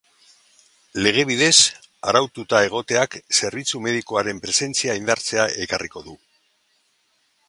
Lege bidez araututa egoteak zerbitzu medikoaren presentzia indartzea ekarriko du.